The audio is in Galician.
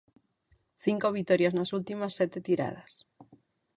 Cinco vitorias nas últimas sete tiradas.